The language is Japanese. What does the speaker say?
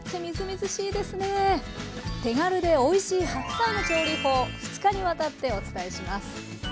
手軽でおいしい白菜の調理法２日にわたってお伝えします。